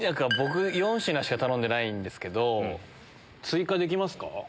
４品しか頼んでないんですけど追加できますか？